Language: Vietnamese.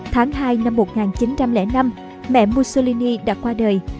tháng hai năm một nghìn chín trăm linh năm mẹ mussolini đã qua đời